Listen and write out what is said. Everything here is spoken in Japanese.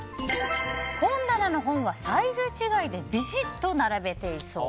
本棚の本はサイズ違いでビシッと並べていそう。